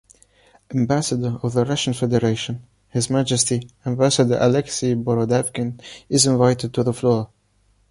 Ambassador of the Russian Federation, His Majesty Ambassador Aleksei Borodavkin is invited to the floor.